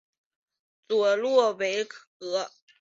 佐洛韦格。